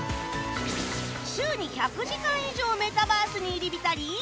週に１００時間以上メタバースに入り浸り